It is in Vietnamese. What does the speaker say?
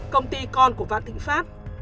công ty con của vạn thịnh pháp